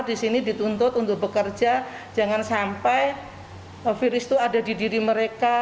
di sini dituntut untuk bekerja jangan sampai virus itu ada di diri mereka